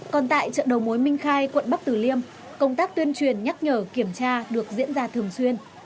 còn tại chợ đầu mối minh khai quận bắc tử liêm công tác tuyên truyền nhắc nhở kiểm tra được diễn ra thường xuyên